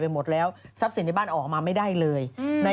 เอิ้กเอาคือพี่อุดร